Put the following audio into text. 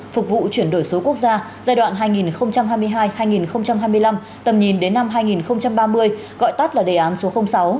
phục vụ chuyển đổi số quốc gia giai đoạn hai nghìn hai mươi hai hai nghìn hai mươi năm tầm nhìn đến năm hai nghìn ba mươi gọi tắt là đề án số sáu